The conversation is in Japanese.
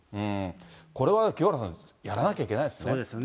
これは清原さん、やらなきゃいけないですね。